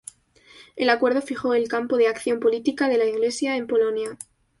El acuerdo fijó el campo de acción política de la Iglesia en Polonia.